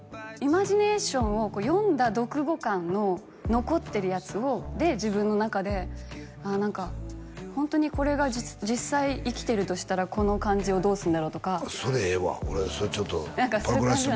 イマジネーションを読んだ読後感の残ってるやつを自分の中でホントにこれが実際生きてるとしたらこの感じをどうすんだろうとかそれええわ